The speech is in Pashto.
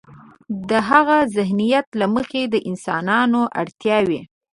د هاغه ذهنیت له مخې د انسانانو اړتیاوې.